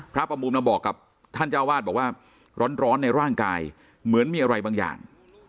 ประมูลมาบอกกับท่านเจ้าวาดบอกว่าร้อนในร่างกายเหมือนมีอะไรบางอย่าง